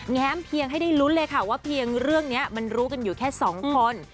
แม้มเพียงให้ได้ลุ้นเลยค่ะว่าเพียงเรื่องนี้มันรู้กันอยู่แค่สองคน